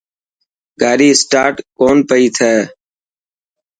گاڏي اسٽاٽ ڪون پئي ٿي.